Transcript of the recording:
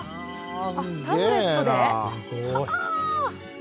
タブレットで？